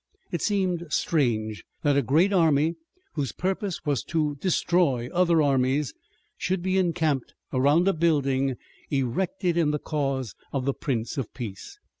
It seemed strange that a great army, whose purpose was to destroy other armies, should be encamped around a building erected in the cause of the Prince of Peace.